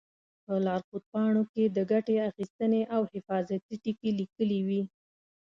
په لارښود پاڼو کې د ګټې اخیستنې او حفاظتي ټکي لیکلي وي.